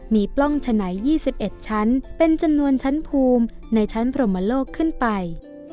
มีปล้องฉะไหน๒๑ชั้นเป็นจำนวนชั้นภูมิในชั้นพรมโลกขึ้นไป